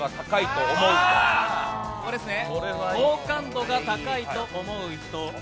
好感度が高いと思う人。